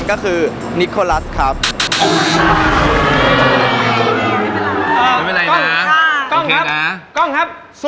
กล้องซูมออกไกลนะฮะ